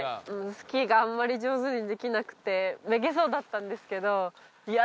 スキーがあんまり上手にできなくてめげそうだったんですけどいや